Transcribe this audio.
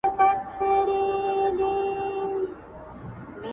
خو ذهنونه زخمي پاتې وي ډېر,